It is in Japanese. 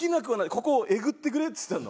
ここをえぐってくれっつったの。